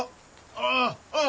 あああっ！